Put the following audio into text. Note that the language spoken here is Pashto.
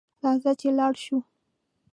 راځه چې لاړشوو